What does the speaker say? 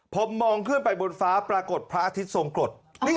ผมมองขึ้นไปบนฟ้าปรากฏพระอาทิตย์ทรงกรด